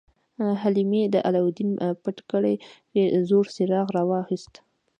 حلیمې د علاوالدین پټ کړی زوړ څراغ راواخیست.